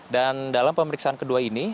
dan dalam pemeriksaan kedua ini